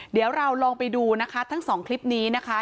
เดี๋ยวเราลองไปดูนะคะทั้งสองคลิปนี้นะคะ